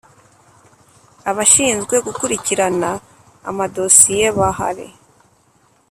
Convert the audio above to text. Abashinzwe gukurikirana amadosiye bahari.